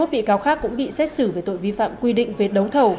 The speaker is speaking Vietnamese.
hai mươi một bị cáo khác cũng bị xét xử về tội vi phạm quy định về đống thầu